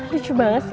lucu banget sih